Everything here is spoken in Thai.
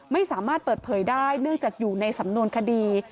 ไม่สามารถเปิดเผยได้เนื่องจากอยู่ในสำนวนคดี